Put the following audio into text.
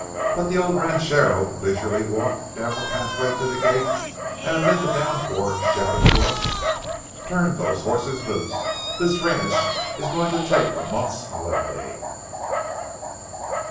But the old ranchero leisurely walked down the pathway to the gate, and amid the downpour shouted to us: "Turn those horses loose; this ranch is going to take a month's holiday."